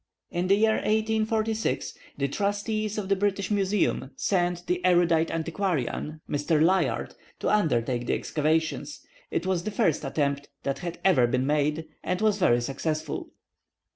In the year 1846, the Trustees of the British Museum sent the erudite antiquarian, Mr. Layard, to undertake the excavations. It was the first attempt that had ever been made, and was very successful.